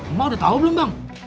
emak udah tahu belum bang